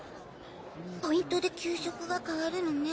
ポイントで給食が変わるのね。